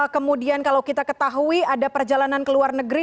kemudian kalau kita ketahui ada perjalanan ke luar negeri